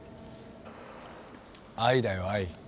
愛だよ愛。